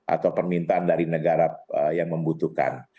atau permintaan dari negara yang membutuhkan